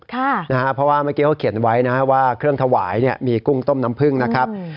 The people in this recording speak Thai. เพราะว่าเมื่อกี้เขาเขียนไว้นะว่าเครื่องถวายมีกุ้งต้มน้ำผึ้งนะครับ